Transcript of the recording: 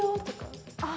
あ。